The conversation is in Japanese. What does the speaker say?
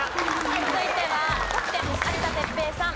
続いてはキャプテンの有田哲平さん